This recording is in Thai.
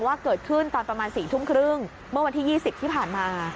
เกิดขึ้นตอนประมาณ๔ทุ่มครึ่งเมื่อวันที่๒๐ที่ผ่านมา